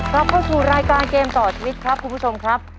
ขอบคุณผู้ชมครับครับ